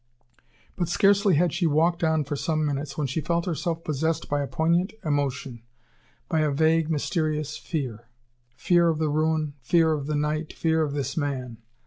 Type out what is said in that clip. But scarcely had she walked on for some minutes when she felt herself possessed by a poignant emotion, by a vague, mysterious fear fear of the ruin, fear of the night, fear of this man.